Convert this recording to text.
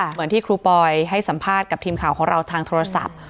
เหมือนที่ครูปอยให้สัมภาษณ์กับทีมข่าวของเราทางโทรศัพท์